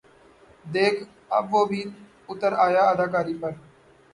دیکھ اب وہ بھی اُتر آیا اداکاری پر